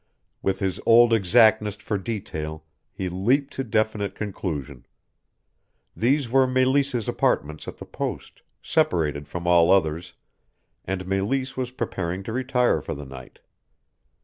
With his old exactness for detail he leaped to definite conclusion. These were Meleese's apartments at the post, separated from all others and Meleese was preparing to retire for the night.